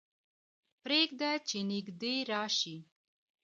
پرېږده چې نږدې راشي.